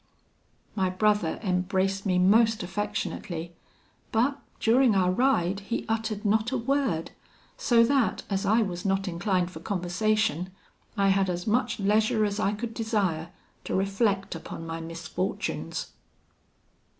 "My brother embraced me most affectionately, but during our ride, he uttered not a word, so that, as I was not inclined for conversation, I had as much leisure as I could desire to reflect upon my misfortunes."